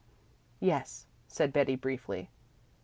"Yes," said Betty briefly.